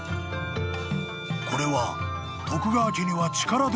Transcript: ［これは］